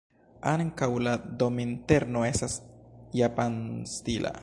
Ankaŭ la dominterno estas japanstila.